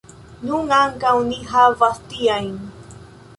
Nun ankaŭ ni havas tiajn.